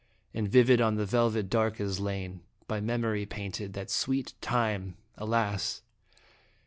And vivid on the velvet dark is lain, By memory painted, that sweet time alas